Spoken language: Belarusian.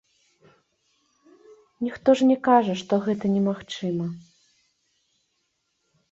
Ніхто ж не кажа, што гэта немагчыма.